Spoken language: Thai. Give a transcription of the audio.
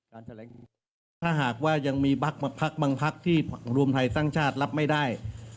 ถ้าหากว่ายังมีพักบางพักที่รวมไทยสร้างชาติรับไม่ได้